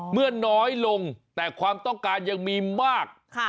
เมื่อน้อยลงแต่ความต้องการยังมีมาก